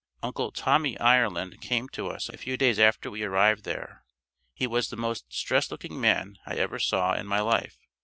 Uncle "Tommy" Ireland came to us a few days after we arrived there. He was the most distressed looking man I ever saw in my life.